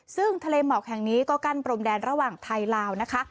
ซึ่งทะเลหมอกแห่งนี้ก็กั้นพรมแดนระหว่างไทยลาวนะคะ